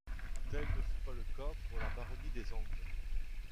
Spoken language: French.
Tel ne fut pas le cas pour la Baronnie des Angles.